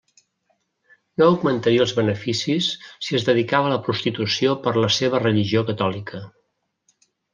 No augmentaria els beneficis si es dedicava a la prostitució per la seva religió catòlica.